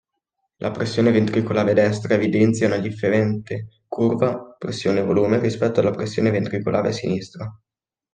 La pressione ventricolare destra evidenzia una differente curva pressione-volume rispetto alla pressione ventricolare sinistra.